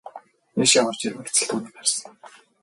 Ийшээ орж ирмэгц л түүнийг харсан.